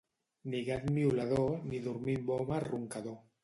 Ni gat miolador, ni dormir amb home roncador.